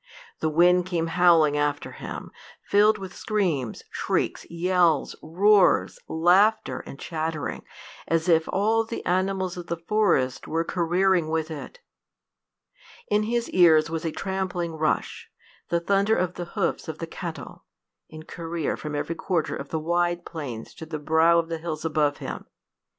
The wind came howling after him, filled with screams, shrieks, yells, roars, laughter, and chattering, as if all the animals of the forest were careering with it. In his ears was a trampling rush, the thunder of the hoofs of the cattle, in career from every quarter of the wide plains to the brow of the hill above him!